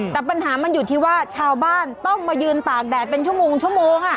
แต่ปัญหามันอยู่ที่ว่าชาวบ้านต้องมายืนตากแดดเป็นชั่วโมงชั่วโมง